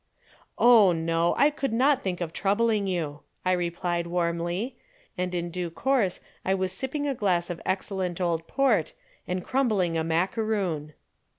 "Oh no, I could not think of troubling you," I replied warmly, and in due course I was sipping a glass of excellent old port and crumbling a macaroon.